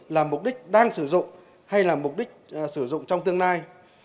làm mục đích đang sử dụng hay làm mục đích sử dụng trong tương lai